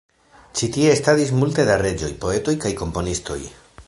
Ĉi tie estadis multe da reĝoj, poetoj kaj komponistoj.